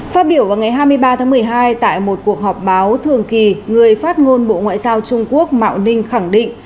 phát biểu vào ngày hai mươi ba tháng một mươi hai tại một cuộc họp báo thường kỳ người phát ngôn bộ ngoại giao trung quốc mạo ninh khẳng định